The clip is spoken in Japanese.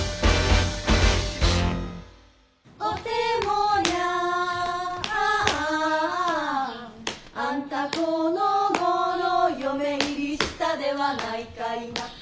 「おてもやんあんた此頃嫁入りしたではないかいな」